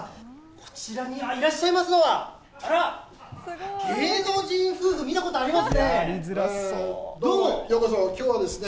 こちらにいらっしゃいますのは、あら、芸能人夫婦、見たことありますね。